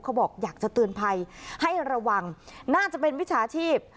เขาบอกอยากจะเตือนภัยให้ระวังน่าจะเป็นวิชาชีพ